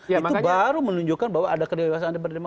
itu baru menunjukkan bahwa ada kedewasaan